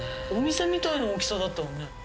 お店みたいな大きさだったわね。